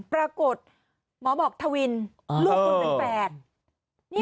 ปรากฏหมอบอกทวินลูกคุณเป็นแฝด